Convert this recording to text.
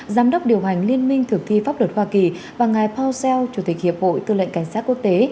giám đốc điều hành liên minh thực thi pháp luật hoa kỳ và ngài powell chủ tịch hiệp hội tư lệnh cảnh sát quốc tế